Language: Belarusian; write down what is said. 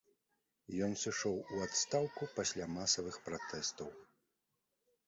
Ён сышоў у адстаўку пасля масавых пратэстаў.